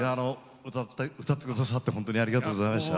歌ってくださって本当にありがとうございました。